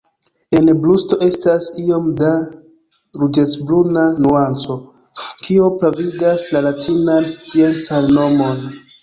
En brusto estas iom da ruĝecbruna nuanco, kio pravigas la latinan sciencan nomon.